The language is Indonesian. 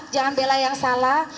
jangan bela yang salah